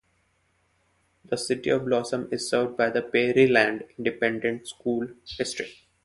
The City of Blossom is served by the Prairiland Independent School District.